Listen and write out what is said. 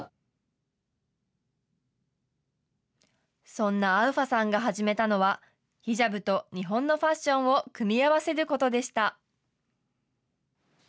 そんなアウファさんが始めたのはヒジャブと日本のファッションを組み合わせることでした。